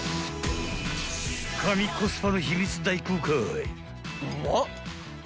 神コスパの秘密大公開！